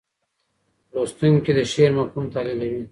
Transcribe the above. لوستونکي د شعر مفهوم تحلیلوي.